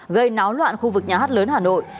gây náo loạn khu vực nhà hát lớn hà nội